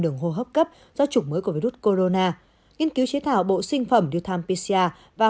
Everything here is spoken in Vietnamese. đường hô hấp cấp do chủng mới của virus corona nghiên cứu chế thảo bộ sinh phẩm reutinsia và